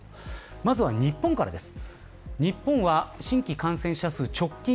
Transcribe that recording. まずは日本からです。